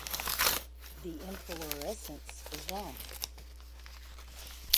The inflorescence is long.